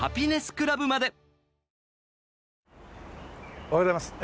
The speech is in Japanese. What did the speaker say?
おはようございます。